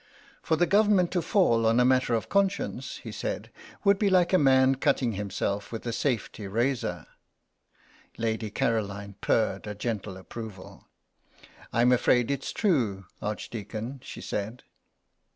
"For the Government to fall on a matter of conscience," he said, "would be like a man cutting himself with a safety razor." Lady Caroline purred a gentle approval. "I'm afraid it's true, Archdeacon," she said.